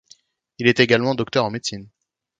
Il est également docteur en médecine.